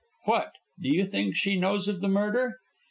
"What! Do you think she knows of the murder?"